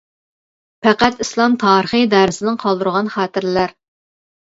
پەقەت ئىسلام تارىخى دەرسىدىن قالدۇرۇلغان خاتىرىلەر.